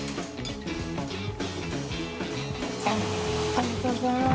ありがとうございます。